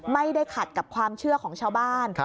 ไม่ได้ขัดกับความเชื่อของชาวบ้าน